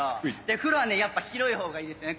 風呂はねやっぱ広い方がいいですよね。